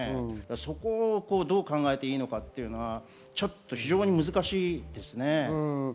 そこをどう考えていいのかっていうのは非常に難しいですね。